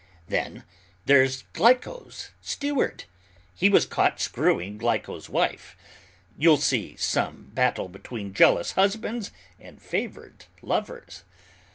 Then, there's Glyco's steward; he was caught screwing Glyco's wife. You'll see some battle between jealous husbands and favored lovers.